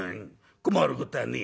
困ることはねえや。